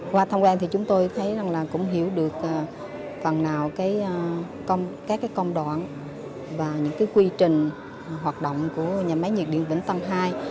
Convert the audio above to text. qua thăm quan thì chúng tôi thấy cũng hiểu được phần nào các công đoạn và những quy trình hoạt động của nhà máy nhiệt điện vĩnh tân ii